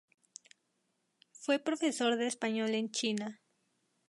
Fue profesor de español en China.